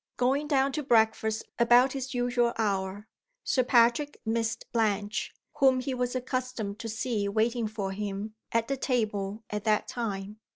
Going down to breakfast about his usual hour, Sir Patrick missed Blanche, whom he was accustomed to see waiting for him at the table at that time.